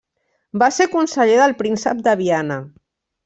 Va ser conseller del príncep de Viana.